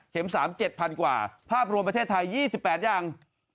เข็มสามเจ็ดพันกว่าภาพรวมประเทศไทย๒๘อย่าง